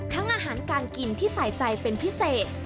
ทั้งอาหารการกินที่สายใจเป็นพิเศษ